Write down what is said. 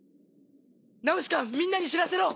ナウシカみんなに知らせろ！